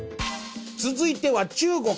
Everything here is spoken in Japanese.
続いては中国。